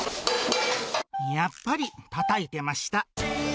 やっぱりたたいてました。